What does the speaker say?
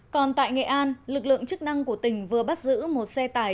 còn tại nghệ an lực lượng chức năng của tỉnh vừa bắt giữ một xe tải